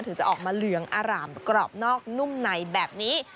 ถึงจะออกมาเหลืองอร่ามกรอบนอกนุ่มในแบบนี้